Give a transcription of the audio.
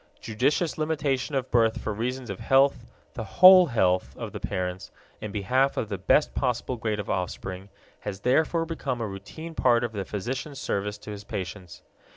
Judicious limitation of birth for reasons of health, the whole health of the parents, in behalf of the best possible grade of offspring has therefore become a routine part of the physician's service to his patients.